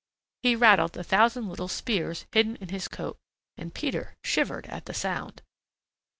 He rattled the thousand little spears hidden in his coat, and Peter shivered at the sound.